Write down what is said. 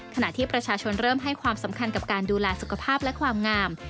ขณะที่ประชาชนเริ่มให้ความสำคัญกับการดูแลสุขภาพและความงาม